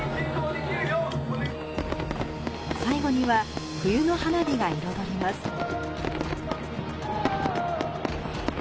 最後には、冬の花火が彩ります。